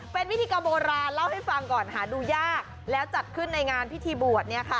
เป็นพิธีกรรมโบราณเล่าให้ฟังก่อนหาดูยากแล้วจัดขึ้นในงานพิธีบวช